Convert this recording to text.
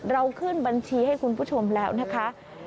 เราขึ้นบัญชีให้คุณผู้ชมแล้วนะคะ